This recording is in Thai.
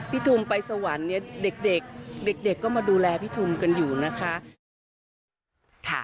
พี่ทุมไปสวรรค์เด็กก็มาดูแลพี่ทุมกันอยู่นะคะ